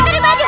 m data k hp